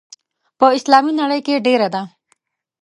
په اسلامي نړۍ کې ډېره ده.